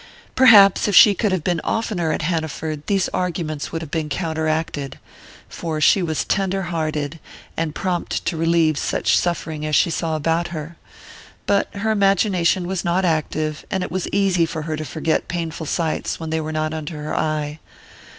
Perhaps if she could have been oftener at Hanaford these arguments would have been counteracted, for she was tender hearted, and prompt to relieve such suffering as she saw about her; but her imagination was not active, and it was easy for her to forget painful sights when they were not under her eye.